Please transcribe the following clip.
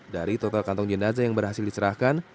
dari total kantong jenazah yang berhasil diserahkan